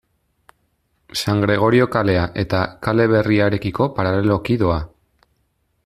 San Gregorio kalea eta Kale Berriarekiko paraleloki doa.